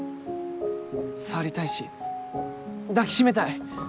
触りたいし抱き締めたい。